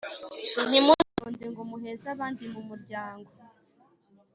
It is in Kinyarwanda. ntimuzironde ngo muheze abandi mu muryango;